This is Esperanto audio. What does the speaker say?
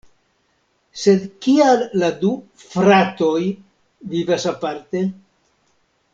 Sed kial la du "fratoj" vivas aparte?